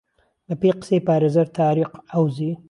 بە پێی قسەی پارێزەر تاریق عەوزی